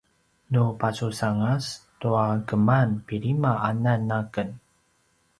nu pasusangas tua keman pilima anan aken